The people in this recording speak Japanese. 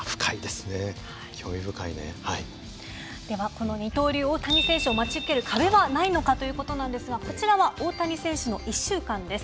この二刀流大谷選手を待ち受ける壁はないのかという事なんですがこちらは大谷選手の１週間です。